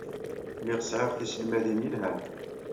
Lliɣ sɛiɣ tiselmadin yelhan.